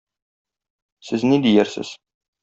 Сез ни диярсез?